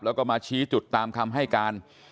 แล้วก็มาชี้จุดตามคำให้การ